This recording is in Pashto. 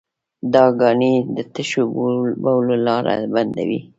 دا کاڼي د تشو بولو لاره بندوي.